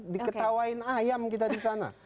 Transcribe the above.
diketawain ayam kita disana